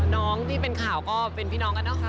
น้องที่เป็นข่าวก็เป็นพี่น้องกันนะคะ